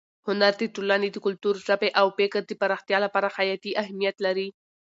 هنر د ټولنې د کلتور، ژبې او فکر د پراختیا لپاره حیاتي اهمیت لري.